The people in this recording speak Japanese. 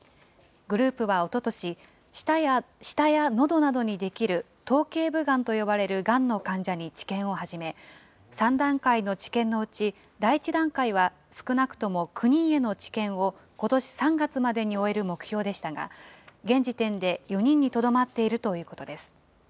グループはおととし、舌やのどなどに出来る頭けい部がんと呼ばれるがんの患者に治験を始め、３段階の治験のうち第１段階は少なくとも９人への治験を、ことし３月までに終える目標でしたが、現時点で４人にとどまっているということです。